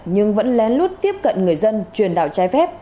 nhưng vẫn lén lút tiếp cận người dân truyền đạo trái phép